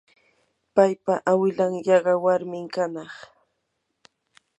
paypa awilan yaqa warmi kanaq.